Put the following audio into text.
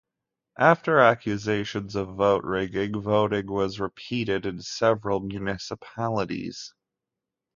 After accusations of vote-rigging, voting was repeated in several municipalities.